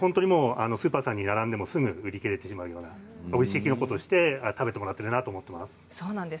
スーパーさんに並んでもすぐに売り切れてしまうようなおいしいきのことして食べてもらっていると思います。